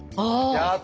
やった！